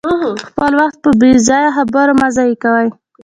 خپل وخت په بې ځایه خبرو مه ضایع کوئ.